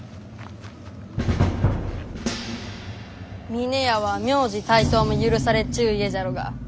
峰屋は名字帯刀も許されちゅう家じゃろうが。